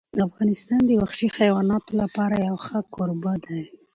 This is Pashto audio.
افغانستان د وحشي حیواناتو لپاره یو ښه کوربه دی.